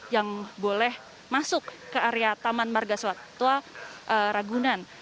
yang boleh masuk ke area taman marga ragunan